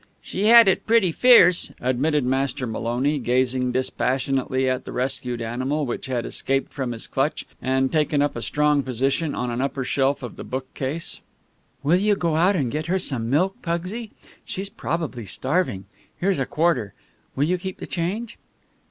"She had it pretty fierce," admitted Master Maloney, gazing dispassionately at the rescued animal, which had escaped from his clutch and taken up a strong position on an upper shelf of the bookcase. "Will you go out and get her some milk, Pugsy? She's probably starving. Here's a quarter. Will you keep the change?"